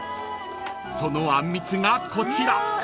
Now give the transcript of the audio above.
［そのあんみつがこちら］